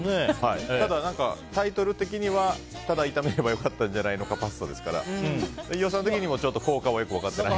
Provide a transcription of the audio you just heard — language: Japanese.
ただ何か、タイトル的にはただ炒めればよかったんじゃないかパスタですから飯尾さん的にも効果はよく分かってないと。